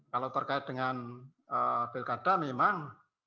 kalau terkait dengan pilkada memang